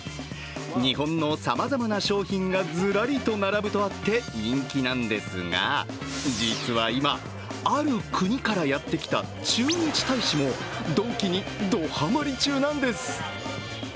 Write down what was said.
日本のさまざまな商品がずらりと並ぶとあって人気なんですが実は今、ある国からやってきた駐日大使もドンキにどハマリ中なんです。